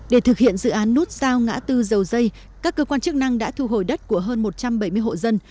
để thực hiện dự án nút giao ngã tư dầu dây các cơ quan chức năng đã thu hồi đất của hơn một trăm bảy mươi hộ dân